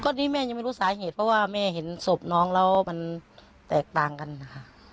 ตอนนี้แม่ยังไม่รู้สาเหตุเพราะว่าแม่เห็นศพน้องแล้วมันแตกต่างกันนะคะ